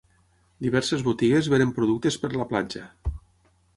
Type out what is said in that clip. Diverses botigues venen productes per la platja.